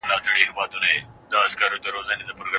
د دلارام ولسوالي د نیمروز ولایت د ویاړ نښه ده.